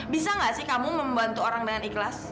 bisa nggak sih kamu membantu orang dengan ikhlas